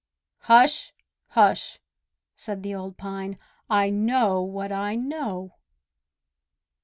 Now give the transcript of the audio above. "Hush! hush!" said the old Pine. "I know what I know."